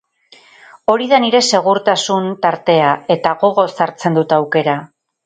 Hori da nire segurtasun tartea, eta gogoz hartzen dut aukera.